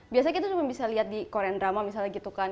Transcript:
biasanya kita cuma bisa lihat di korean drama misalnya gitu kan